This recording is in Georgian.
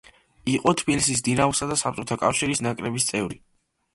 იყო თბილისის „დინამოსა“ და საბჭოთა კავშირის ნაკრების წევრი.